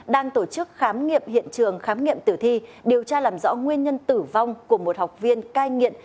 đang tổ chức khám nghiệm hiện trường khám nghiệm tử thi điều tra làm rõ nguyên nhân tử vong của một học viên cai nghiện